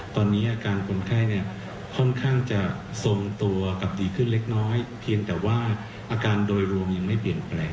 ตอนนี้อาการคนไข้เนี่ยค่อนข้างจะทรงตัวกับดีขึ้นเล็กน้อยเพียงแต่ว่าอาการโดยรวมยังไม่เปลี่ยนแปลง